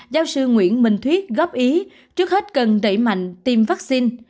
giáo sư nguyễn minh thuyết góp ý trước hết cần đẩy mạnh tiêm vaccine